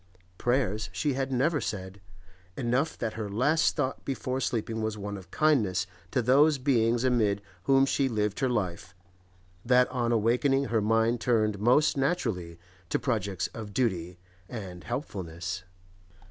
Prayers she had never said; enough that her last thought before sleeping was one of kindness to those beings amid whom she lived her life, that on awaking her mind turned most naturally to projects of duty and helpfulness.